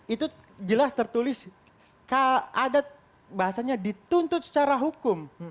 itu jelas tertulis ada bahasanya dituntut secara hukum